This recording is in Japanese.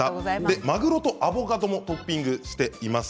マグロとアボカドのトッピングをしています。